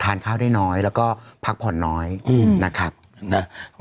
ข้าวได้น้อยแล้วก็พักผ่อนน้อยอืมนะครับนะ